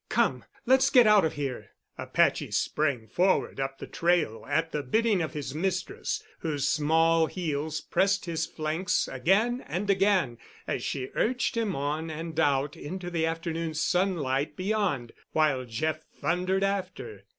Come, let's get out of here." Apache sprang forward up the trail at the bidding of his mistress, whose small heels pressed his flanks, again and again, as she urged him on and out into the afternoon sunlight beyond, while Jeff thundered after.